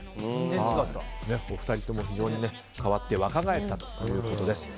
お二人とも非常に変わって若返ったということです。